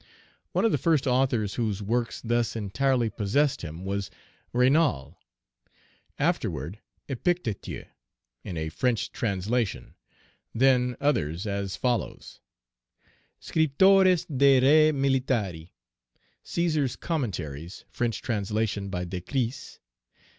One of the first authors whose works thus entirely possessed him was Raynal; afterward Epictetus, in a French translation; then others, as follows: Scriptores de Re Militari. Cæsar's Commentaries. French translation by De Crisse.